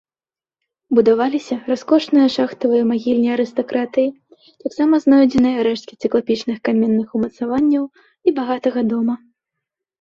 Будаваліся раскошныя шахтавыя магільні арыстакратыі, таксама знойдзены рэшткі цыклапічных каменных умацаванняў і багатага дома.